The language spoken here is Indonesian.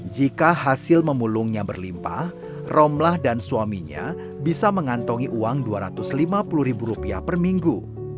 jika hasil memulungnya berlimpah romlah dan suaminya bisa mengantongi uang rp dua ratus lima puluh ribu rupiah per minggu